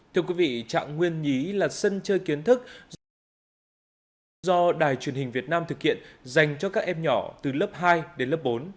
thưa quý vị trạng nguyên nhí là sân chơi kiến thức do đài truyền hình việt nam thực hiện dành cho các em nhỏ từ lớp hai đến lớp bốn